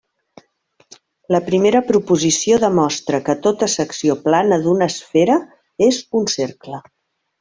La primera proposició demostra que tota secció plana d’una esfera és un cercle.